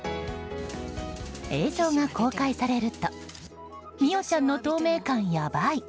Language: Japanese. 映像が公開されると美桜ちゃんの透明感やばい！